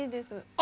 あ！